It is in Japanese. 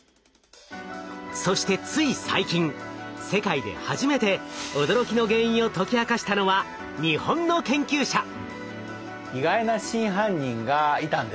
そしてつい最近世界で初めて驚きの原因を解き明かしたのは日本の研究者！